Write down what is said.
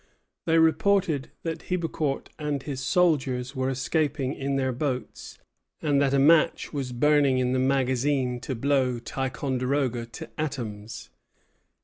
They reported that Hebecourt and his soldiers were escaping in their boats, and that a match was burning in the magazine to blow Ticonderoga to atoms.